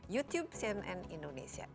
youtube cnn indonesia